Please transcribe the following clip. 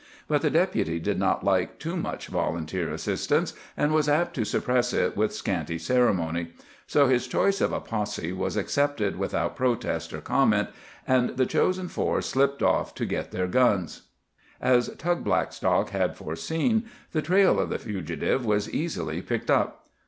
But the Deputy did not like too much volunteer assistance, and was apt to suppress it with scant ceremony. So his choice of a posse was accepted without protest or comment, and the chosen four slipped off to get their guns. As Tug Blackstock had foreseen, the trail of the fugitive was easily picked up.